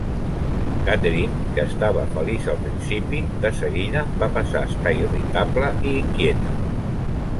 Catherine, que estava feliç al principi, de seguida va passar a estar irritable i inquieta.